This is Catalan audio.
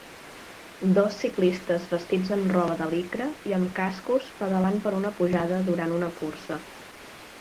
dos ciclistes vestits amb roba de licra i amb cascos pedalant per una pujada durant una cursa.